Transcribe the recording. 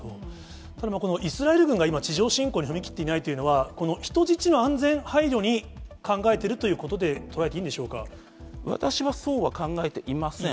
ただこのイスラエル軍が地上侵攻に踏み切っていないというのは、この人質の安全配慮に考えているということで捉えていいんでしょ私はそうは考えていません。